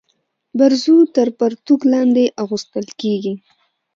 برزو تر پرتوګ لاندي اغوستل کيږي.